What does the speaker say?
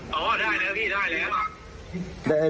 อ๋อได้นะพี่ได้เลยครับ